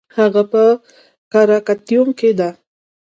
هغه په کاتاراکتیوم کې ده